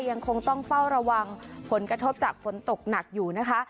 ยังคงต้องเฝ้าระวังผลกระทบจากฝนตกหนักอยู่นะคะ